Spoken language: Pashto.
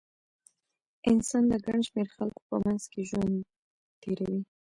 انسان د ګڼ شمېر خلکو په منځ کې ژوند تېروي.